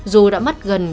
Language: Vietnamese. dù đã mất gần